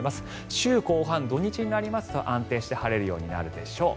週後半、土日になりますと安定して晴れるようになるでしょう。